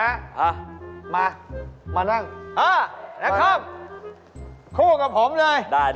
เออน้ามามานั่งมานั่งครับคู่กับผมเลยสุดยอด